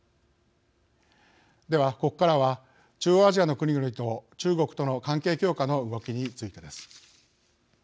では、ここからは中央アジアの国々と中国との関係強化の動きについてです。